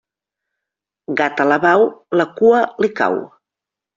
Gat alabau, la cua li cau.